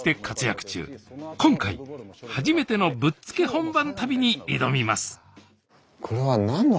今回初めてのぶっつけ本番旅に挑みます